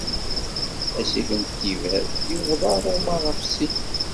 Asif n Tiber yebḍa Ṛuma ɣef sin.